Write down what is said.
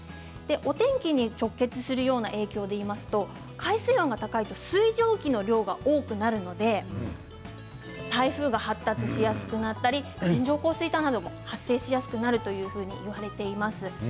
お天気に直結するような状態でいいますと海水温が高いと水蒸気の量が多くなるので台風が発達しやすくなったり線状降水帯なども発生する確率が高くなるといわれています。